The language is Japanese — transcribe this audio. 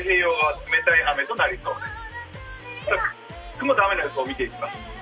雲と雨の予想を見ていきます。